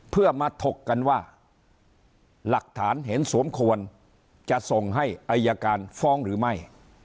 เพื่อมาถกกันว่าหลักฐานเห็นสมควรจะส่งให้อายการฟ้องหรือไม่